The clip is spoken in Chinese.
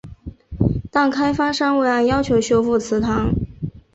但开发商未按要求修复祠堂。